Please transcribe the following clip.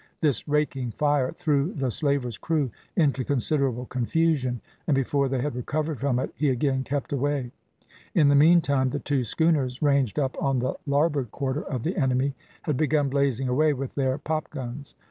This raking fire threw the slaver's crew into considerable confusion, and before they had recovered from it, he again kept away. In the meantime the two schooners ranged up on the larboard quarter of the enemy, had begun blazing away with their popguns.